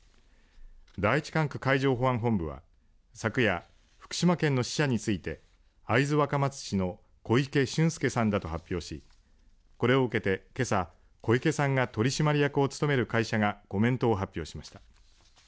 第１管区海上保安本部は昨夜、福島県の死者について会津若松市の小池駿介さんだと発表しこれを受けて、けさ小池さんが取締役を務める会社がコメントを発表しました。